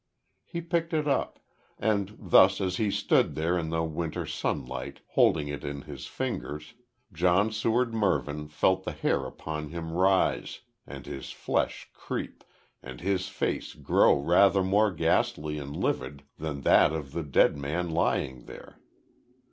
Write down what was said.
He picked it up and then as he stood there in the winter sunlight holding it in his fingers, John Seward Mervyn felt the hair upon him rise, and his flesh creep, and his face grow rather more ghastly and livid than that of the dead man lying there.